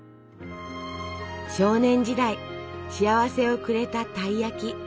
少年時代幸せをくれたたい焼き。